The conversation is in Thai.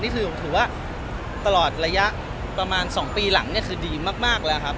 ถือว่าตลอดระยะประมาณ๒ปีหลังเนี่ยคือดีมากแล้วครับ